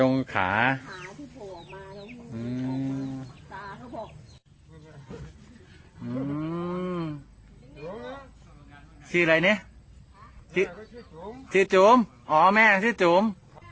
อืมตาเขาบอกอืมสีอะไรเนี้ยสีสีจู๋มอ๋อแม่สีจู๋ม